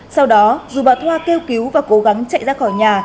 sau đó dù bà thoa kêu cứu và cố gắng chạy ra khỏi nhà